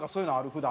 普段。